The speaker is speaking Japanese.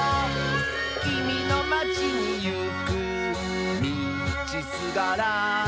「きみのまちにいくみちすがら」